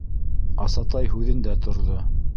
Асатай һүҙендә торҙо.